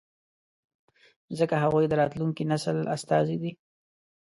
ځکه هغوی د راتلونکي نسل استازي دي.